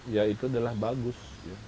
ya itu adalah bagus